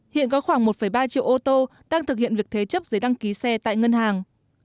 hiện có khoảng một ba triệu ô tô đang thực hiện việc thế chấp giấy đăng ký xe tại ngân hàng